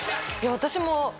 私も。